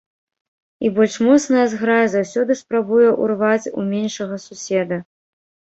І больш моцная зграя заўсёды спрабуе ўрваць у меншага суседа.